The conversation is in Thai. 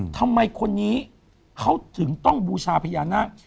ทำไมคนนี้เขาถึงต้องบูชาพญานาค